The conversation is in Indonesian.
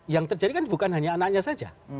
yang terjadi kan bukan hanya anaknya saja